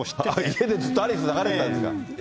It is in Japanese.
家でずっとアリス流れてたんですか。